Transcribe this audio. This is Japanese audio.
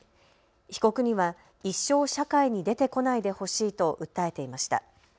被告には一生社会に出てこないでほしいと訴えていました。